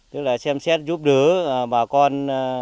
tức là xem xét giúp đỡ bà con